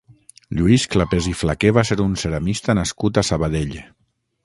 Lluís Clapés i Flaqué va ser un ceramista nascut a Sabadell.